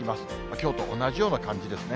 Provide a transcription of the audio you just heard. きょうと同じような感じですね。